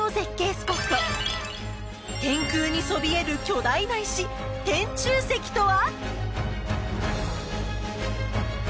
スポット天空にそびえる巨大な石「天柱石」とは！？